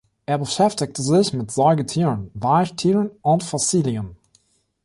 Er beschäftigte sich mit Säugetieren, Weichtieren und Fossilien.